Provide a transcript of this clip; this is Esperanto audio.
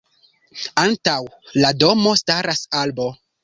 Antaŭ la domo staras arbo.